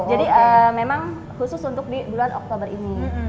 memang khusus untuk di bulan oktober ini